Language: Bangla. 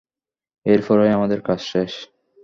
এরপরই আমাদের কাজ শেষ।